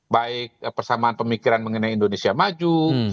baik persamaan pemikiran mengenai indonesia maju